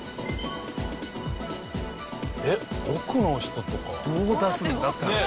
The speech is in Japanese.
えっ奥の人とか。